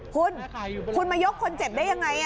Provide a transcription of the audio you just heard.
คุณคุณมายกคนเจ็บได้ยังไง